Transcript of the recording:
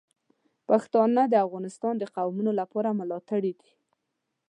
پښتانه د افغانستان د قومونو لپاره ملاتړي دي.